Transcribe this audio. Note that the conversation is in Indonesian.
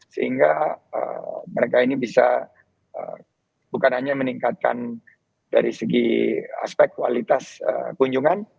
sehingga mereka ini bisa bukan hanya meningkatkan dari segi aspek kualitas kunjungan